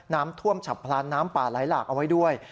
น้ำท่วมฉับพลันน้ำป่าไหลหลากเอาไว้ด้วย